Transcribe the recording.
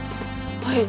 はい。